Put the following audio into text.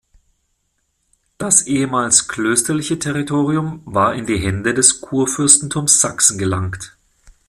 Das ehemals klösterliche Territorium war in die Hände des Kurfürstentums Sachsen gelangt.